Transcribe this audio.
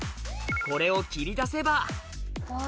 これを切り出せばうわ